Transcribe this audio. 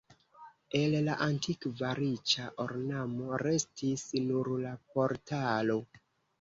El la antikva riĉa ornamo restis nur la portalo.